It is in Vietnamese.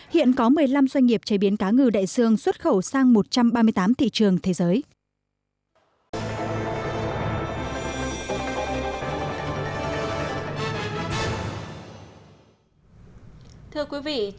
hiện có một mươi năm doanh nghiệp chế biến cá ngừ đại dương xuất khẩu sang một trăm ba mươi tám thị trường thế giới